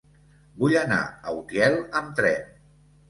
Vull anar a Utiel amb tren.